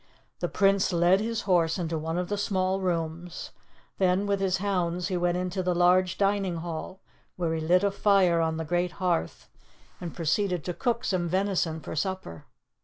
The Prince led his horse into one of the small rooms, then with his hounds he went into the large dining hall, where he lit a fire on the great hearth, and proceeded to cook some venison for supper.